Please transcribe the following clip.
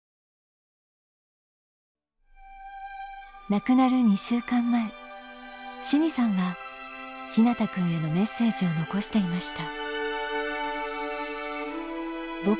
亡くなる２週間前信義さんは陽向くんへのメッセージを残していました。